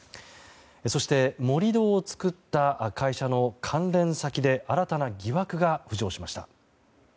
そして、盛り土を作った会社の関連先で新たな疑惑が浮上しました。